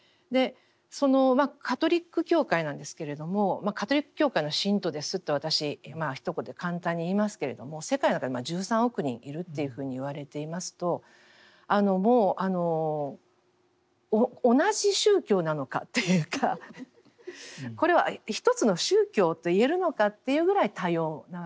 そのカトリック教会なんですけれどもカトリック教会の信徒ですって私ひと言で簡単に言いますけれども世界の中で１３億人いるというふうに言われていますともう同じ宗教なのかっていうかこれは一つの宗教と言えるのかというぐらい多様なわけですよね。